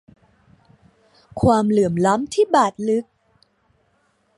ความเหลื่อมล้ำที่บาดลึก